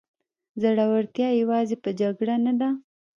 زړورتیا یوازې په جګړه نه ده.